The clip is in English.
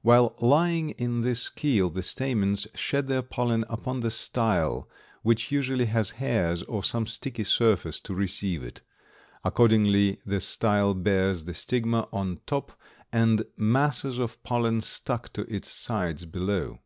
While lying in this keel the stamens shed their pollen upon the style, which usually has hairs or some sticky surface to receive it. Accordingly the style bears the stigma on top and masses of pollen stuck to its sides below.